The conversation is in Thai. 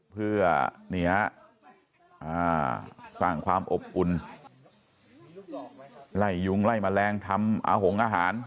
เพื่อสร้างความอบอุ่นไล่ยุงไล่แมลงทำอาหงอาหาร